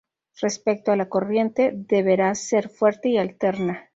Respecto a la corriente, deberá ser fuerte y alterna.